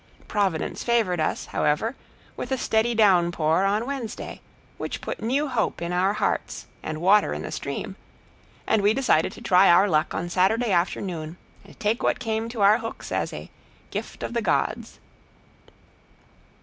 Providence favored us, however, with a steady downpour on Wednesday, which put new hope in our hearts, and water in the stream; and we decided to try our luck on Saturday afternoon, and take what came to our hooks as a "gift of the gods."